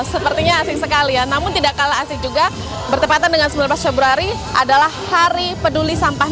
sepertinya asing sekali ya namun tidak kalah asik juga bertepatan dengan sembilan belas februari adalah hari peduli sampah